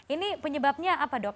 ini penyebabnya apa dok